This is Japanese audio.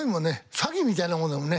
詐欺みたいなもんだもんね。